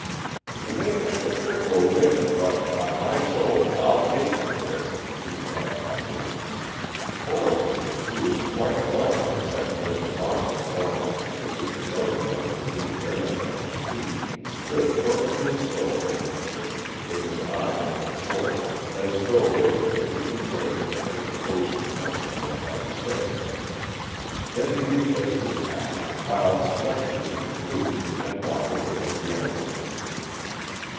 "You may think a trick will win, but, by my soul, I'll take the trick," he cried hotly. Fullerton, who was quite white except where the marks of Lawrence's fingers burned like a new brand on his cheek, stood perfectly still for an instant, with his eyes on the floor, as though waiting for anything further that his opposing counsel might have to say. Then he replaced his hat, bowed slightly to the group, and walked away to the elevator.